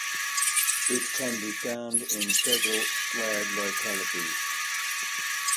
It can be found in several slag localities.